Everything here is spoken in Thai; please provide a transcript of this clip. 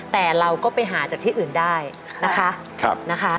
แต่เราก็ไปหาจากที่อื่นได้นะคะ